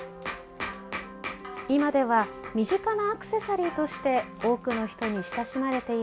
今では身近なアクセサリーとして多くの人に親しまれています。